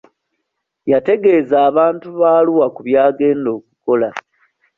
Yategeza abantu ba Arua ku by'agenda okukola.